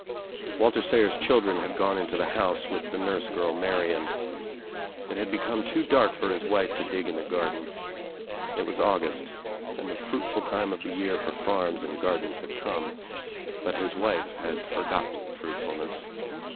Walter Sayers' children had gone into the house with the nurse girl Marian. It had become too dark for his wife to dig in the garden. It was August and the fruitful time of the year for farms and gardens had come, but his wife had forgotten fruitful ness.